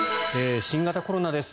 新型コロナです。